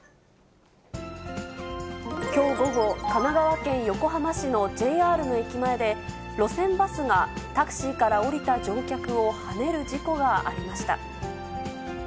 きょう午後、神奈川県横浜市のＪＲの駅前で、路線バスがタクシーから降りた乗客をはねる事故がありました。